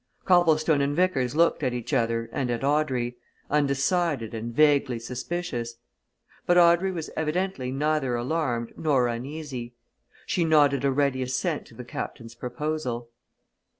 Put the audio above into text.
Copplestone and Vickers looked at each other and at Audrey undecided and vaguely suspicious. But Audrey was evidently neither alarmed nor uneasy she nodded a ready assent to the Captain's proposal.